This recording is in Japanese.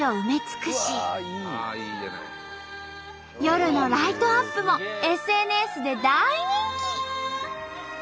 夜のライトアップもＳＮＳで大人気！